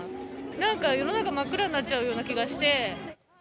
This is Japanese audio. なんか世の中真っ暗になっちゃうような気がして。